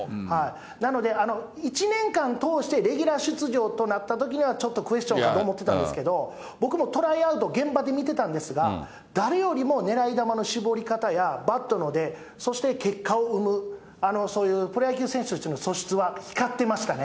なので、１年間通して、レギュラー出場となったときには、ちょっとクエスチョンかなと思ってたんですけど、僕もトライアウト、現場で見てたんですが、誰よりも狙い球の絞り方やバットの出、そして結果を生む、そういうプロ野球選手としての素質は光ってましたね。